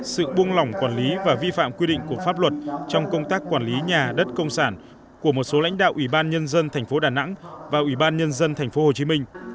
sự buông lỏng quản lý và vi phạm quy định của pháp luật trong công tác quản lý nhà đất công sản của một số lãnh đạo ủy ban nhân dân thành phố đà nẵng và ủy ban nhân dân thành phố hồ chí minh